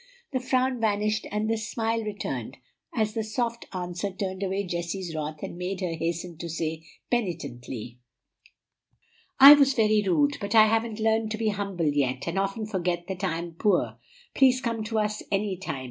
The frown vanished and the smile returned as the soft answer turned away Jessie's wrath and made her hasten to say penitently, "I was very rude; but I haven't learned to be humble yet, and often forget that I am poor. Please come to us any time.